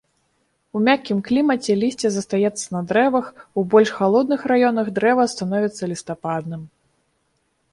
У мяккім клімаце лісце застаецца на дрэвах, у больш халодных раёнах дрэва становіцца лістападным.